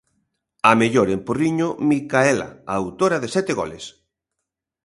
A mellor en Porriño, Micaela, autora de sete goles.